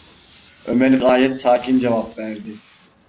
Ömer gayet sakin cevap verdi: